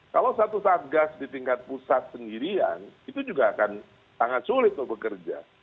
kalau satu satgas di tingkat pusat sendirian itu juga akan sangat sulit untuk bekerja